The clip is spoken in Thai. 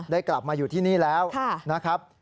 กลับมาอยู่ที่นี่แล้วนะครับ